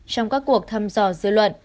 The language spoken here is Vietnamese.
trong các cuộc thăm dò dư luận